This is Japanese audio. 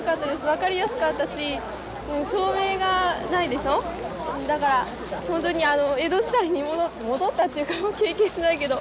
分かりやすかったし照明がないでしょだから本当に江戸時代に戻った戻ったっていうか経験してないけど。